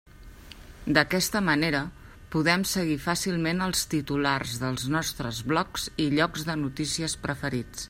D'aquesta manera, podem seguir fàcilment els titulars dels nostres blocs i llocs de notícies preferits.